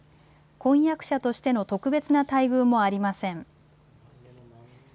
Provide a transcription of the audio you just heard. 婚約者としての特別な待遇もありません。